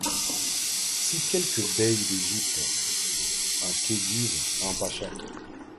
Si quelque bey d'Égypte, un khédive, un pacha